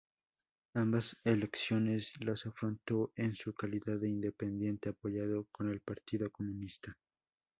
Ambas elecciones las afrontó en su calidad de independiente apoyado por el Partido Comunista.